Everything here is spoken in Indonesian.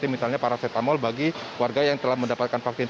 misalnya paracetamol bagi warga yang telah mendapatkan vaksin